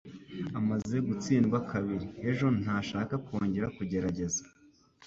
Amaze gutsindwa kabiri ejo, ntashaka kongera kugerageza.